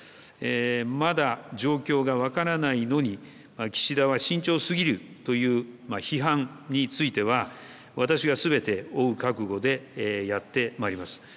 まだ状況が分からないのに岸田は慎重すぎるという批判については私がすべてを負う覚悟でやってまいります。